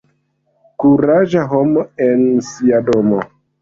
Kuraĝa homo en sia domo.